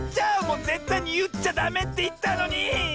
もうぜったいにいっちゃダメっていったのに！